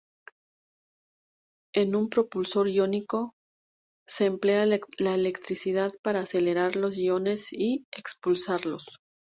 En un propulsor iónico, se emplea la electricidad para acelerar los iones y expulsarlos.